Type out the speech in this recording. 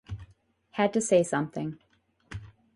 Had to say something.